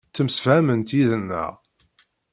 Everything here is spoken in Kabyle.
Temsefhamemt yid-neɣ.